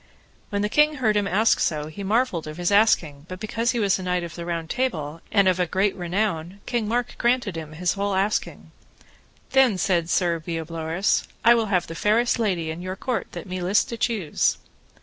When the king heard him ask so, he marvelled of his asking, but because he was a knight of the Round Table, and of a great renown, King Mark granted him his whole asking. Then, said Sir Bleoberis, I will have the fairest lady in your court that me list to choose.